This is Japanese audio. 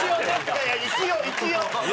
いやいや一応一応。